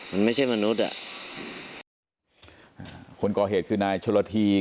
มันไม่ใช่มนุษย์อ่ะอ่าคนก่อเหตุคือนายชนละที